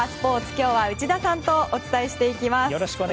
今日は内田さんとお伝えしていきます。